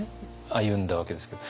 歩んだわけですけど。